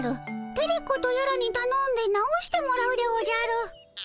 テレ子とやらにたのんで直してもらうでおじゃる。